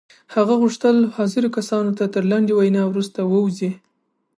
هغه غوښتل حاضرو کسانو ته تر لنډې وينا وروسته ووځي.